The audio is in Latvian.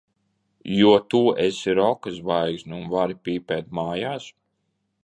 Jo tu esi roka zvaigzne un vari pīpēt mājās?